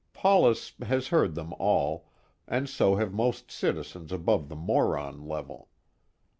Paulus has heard them all, and so have most citizens above the moron level.